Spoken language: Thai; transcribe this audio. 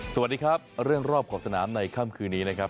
สวัสดีครับเรื่องรอบขอบสนามในค่ำคืนนี้นะครับ